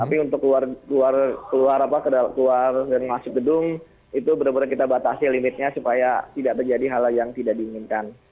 tapi untuk keluar dan masuk gedung itu benar benar kita batasi limitnya supaya tidak terjadi hal hal yang tidak diinginkan